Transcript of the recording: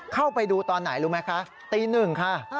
เข้าไปดูตอนไหนรู้ไหมคะตีหนึ่งค่ะ